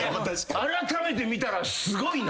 あらためて見たらすごいな。